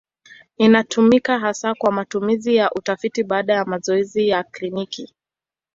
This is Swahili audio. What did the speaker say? Inatumika hasa kwa matumizi ya utafiti badala ya mazoezi ya kliniki.